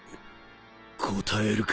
答えるか。